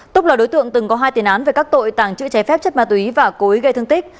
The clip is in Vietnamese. túc là đối tượng từng có hai tiền án về các tội tàng trữ trái phép chất ma túy và cố ý gây thương tích